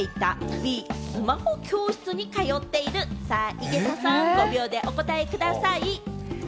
井桁さん、５秒でお答えください。